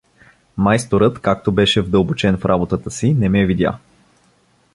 Майсторът, както беше вдълбочен в работата си, не ме видя.